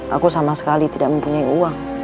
aku sama sekali tidak mempunyai uang